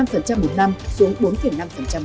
phần trăm một mươi năm xuống bốn năm phần trăm một mươi năm